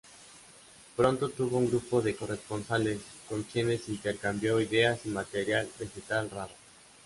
Pronto tuvo un grupo de corresponsales, con quienes intercambió ideas y material vegetal raro.